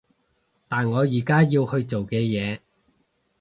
但我而家要去做嘅嘢